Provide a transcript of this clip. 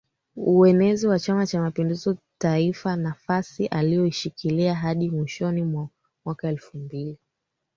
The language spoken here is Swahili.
Uenezi wa Chama cha mapinduzi Taifa nafasi aliyoishikilia hadi mwishoni mwa mwaka elfu mbili